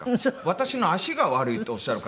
私の足が悪いとおっしゃるから。